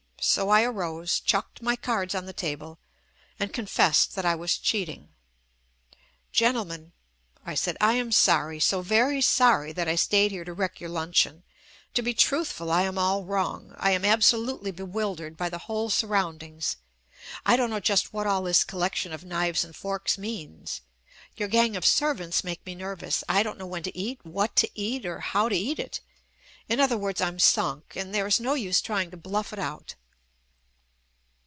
So I arose, chucked my cards on the table and confessed that I was cheating. "Gentlemen," I said, "I am sorry, so very sorry that I stayed here to wreck your luncheon. To be truthful, I am all wrong, I am absolutely bewildered by the whole sur roundings. I don't know just what all this collection of knives and forks means. Your gang of servants make me nervous. I don't know when to eat, what to eat or how to eat it, in other words I'm sunk, and there is no use trying to bluff it out."